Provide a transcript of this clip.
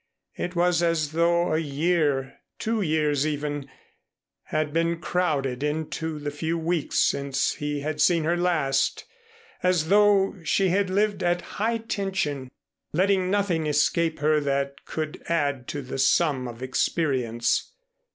It was as though a year, two years even, had been crowded into the few weeks since he had seen her last, as though she had lived at high tension, letting nothing escape her that could add to the sum of experience.